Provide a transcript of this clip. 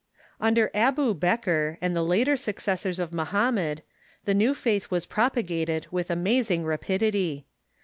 Under Abu Bekr and the later successors of Mohammed, the new faith was propagated with amazing rapidity.